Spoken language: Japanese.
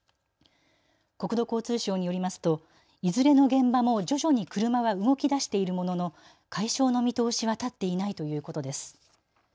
国土交通省によりますといずれの現場も徐々に車は動きだしているものの解消の見通しは立っていないということです。